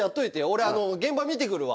俺現場見てくるわ。